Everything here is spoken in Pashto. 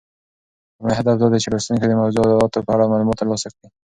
لومړی هدف دا دی چې لوستونکي د موضوعاتو په اړه معلومات ترلاسه کړي.